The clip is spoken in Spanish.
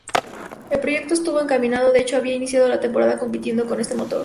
El proyecto estuvo encaminado, de hecho había iniciado la temporada compitiendo con ese motor.